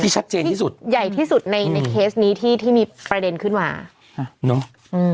ชัดเจนในเคสนี้ที่มีประเด็นขึ้นมาใหญ่ที่สุด